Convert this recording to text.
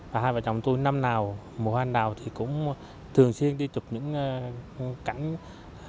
hai vợ chồng tôi năm nào mùa hoa anh đào thì cũng thường xuyên đi chụp những cảnh đà lạt có những cảnh anh đào